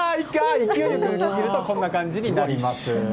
勢いよく吹くとこんな感じになります。